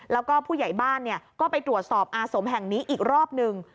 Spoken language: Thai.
แล้วก็ผู้ใหญ่บ้านก็ไปตรวจสอบอาสมแห่งนี้อีกรอบหนึ่ง